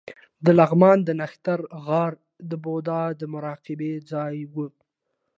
د لغمان د نښتر غار د بودا د مراقبې ځای و